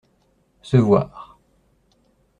Se voir.